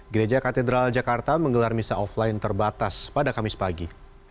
gereja katedral jakarta menggelar misa offline terbatas pada kamis pagi